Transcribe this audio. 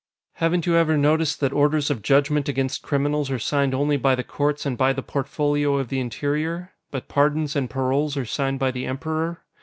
"Haven't you ever noticed that orders of judgment against criminals are signed only by the courts and by the Portfolio of the Interior? But pardons and paroles are signed by the Emperor.